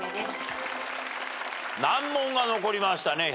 難問が残りましたね。